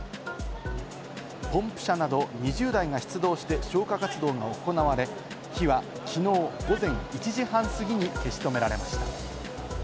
ポンプ車など２０台が出動して消火活動が行われ、火は、きのう午前１時半過ぎに消し止められました。